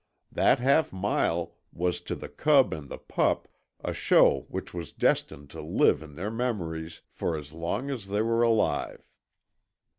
That half mile was to the cub and the pup a show which was destined to live in their memories for as long as they were alive.